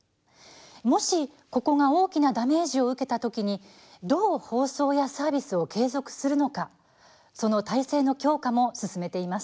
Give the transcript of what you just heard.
もしここが大きなダメージを受けたときにどう放送やサービスを継続するのかその体制の強化も進めています。